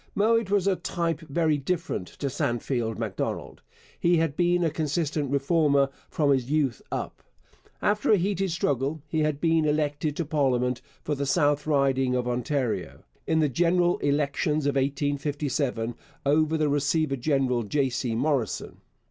Mowat was of a type very different to Sandfield Macdonald. He had been a consistent Reformer from his youth up. After a heated struggle, he had been elected to parliament for the South Riding of Ontario, in the general elections of 1857, over the receiver general J. C. Morrison.